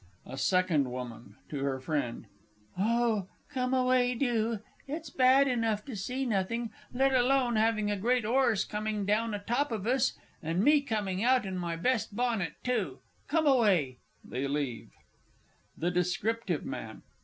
SECOND WOMAN (to her Friend). Oh, come away, do it's bad enough to see nothing, let alone having a great 'orse coming down atop of us, and me coming out in my best bonnet, too come away! [They leave. THE DESCRIPTIVE MAN.